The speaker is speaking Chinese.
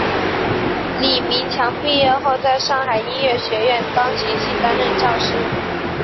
李名强毕业后在上海音乐学院钢琴系担任教师。